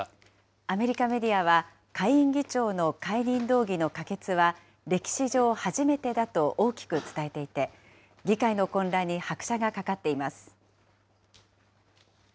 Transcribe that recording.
アメリカメディアは、下院議長の解任動議の可決は歴史上初めてだと大きく伝えていて、議会の混乱に拍車がかかっています。